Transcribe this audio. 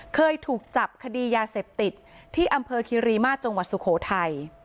เคยถูกจับคดียาเสพติดที่อำเภอคิริมาตรจังหวัดสุโขทัย